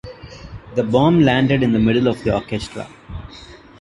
The bomb landed in the middle of the orchestra.